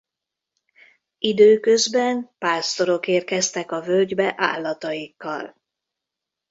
Időközben pásztorok érkeztek a völgybe állataikkal.